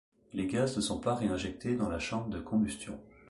Les gaz ne sont pas réinjectés dans la chambre de combustion.